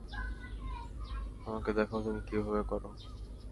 আমাকে দেখাও, তুমি কীভাবে কর।